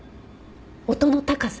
音の高さ